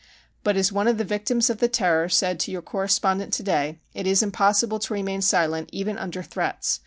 But, as one of the victims of the Terror said to your correspondent to day, it is impossible to remain silent even under threats.